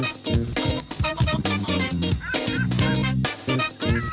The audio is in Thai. ไม่ต้องงอนนะ